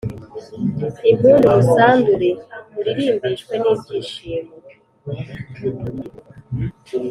impundu Musandure muririmbishwe n ibyishimo